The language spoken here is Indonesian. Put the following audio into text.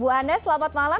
bu ana selamat malam